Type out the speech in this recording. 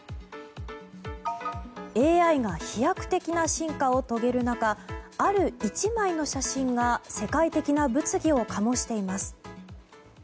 ＡＩが飛躍的な進化を遂げる中ある１枚の写真が世界的な物議を醸しています。